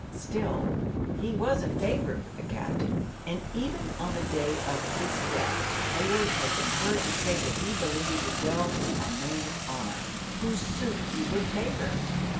Still, he was a favorite with the captain, and even on the day of his death Hayward had been heard to say that he believed Wells a man of honor, whose suit he would favor.